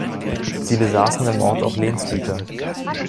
Sie besaßen im Ort auch Lehnsgüter.